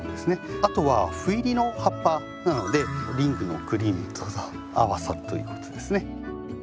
あとは斑入りの葉っぱなのでリングのクリームと合わさるということですね。